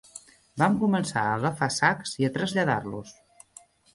Vam començar a agafar sacs i a traslladar-los